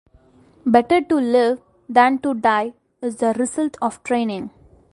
Better to live than to die is the result of training.